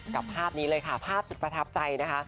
ภาพนี้เลยค่ะภาพสุดประทับใจนะคะ